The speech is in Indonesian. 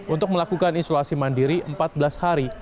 untuk melakukan isolasi mandiri empat belas hari